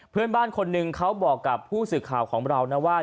เพื่อนบ้านคนหนึ่งเขาบอกกับผู้สื่อข่าวของเรานะว่า